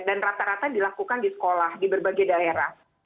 dan rata rata dilakukan di sekolah di berbagai daerah